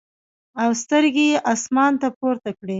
او سترګې ئې اسمان ته پورته کړې ـ